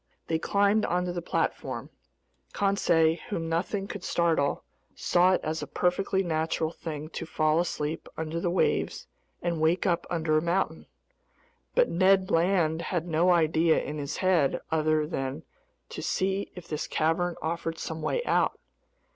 They climbed onto the platform. Conseil, whom nothing could startle, saw it as a perfectly natural thing to fall asleep under the waves and wake up under a mountain. But Ned Land had no idea in his head other than to see if this cavern offered some way out.